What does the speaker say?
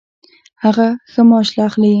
هغه ښه معاش اخلي